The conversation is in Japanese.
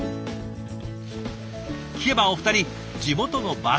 聞けばお二人地元のバスケ仲間。